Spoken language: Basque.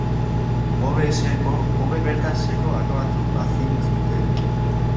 Hobe bertan seko akabatu bazintuzte!